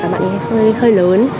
mọi người hơi lớn